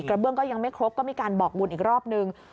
เบื้องก็ยังไม่ครบก็มีการบอกบุญอีกรอบนึง